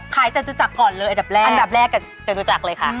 ขายเจอรุจักก่อนเลยดับแรกอะดับแรกกับเจอรุจักรเลยคะ